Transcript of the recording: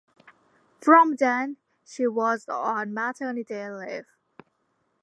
From then, she was on maternity leave.